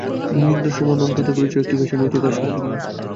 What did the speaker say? মিলিন্দ সুমন আর অঙ্কিতার পরিচয় একটি ফ্যাশন উইকে কাজ করতে গিয়ে।